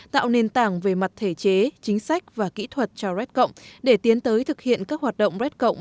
tạo nền tảng về mặt thể chế chính sách và kỹ thuật cho red cộng để tiến tới thực hiện các hoạt động red cộng